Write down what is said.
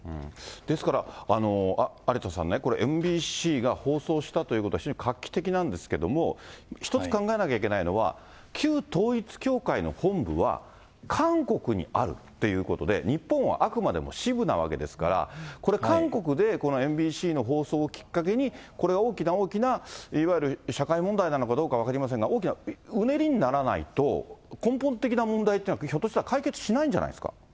ですから有田さんね、これ、ＭＢＣが放送したということは、非常に画期的なんですけれども、一つ考えなきゃいけないのは、旧統一教会の本部は韓国にあるっていうことで、日本はあくまでも支部なわけですから、これ、韓国でこのＭＢＣの放送をきっかけに、これは大きな大きないわゆる社会問題なのかどうか分かりませんが、大きなうねりにならないと根本的な問題というのは、ひょっとしたそうなんです。